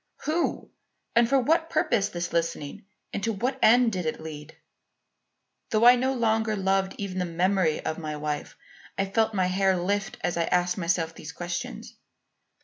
who? and for what purpose this listening; and to what end did it lead? "Though I no longer loved even the memory of my wife, I felt my hair lift, as I asked myself these questions.